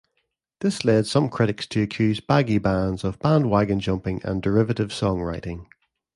This led some critics to accuse baggy bands of bandwagon-jumping and derivative songwriting.